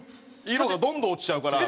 色がどんどん落ちちゃうから。